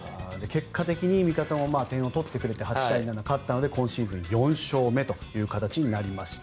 結果的に味方も点を取ってくれて８対７、勝ったので今シーズン４勝目という形になりました。